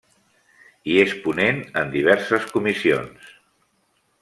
I és ponent en diverses comissions.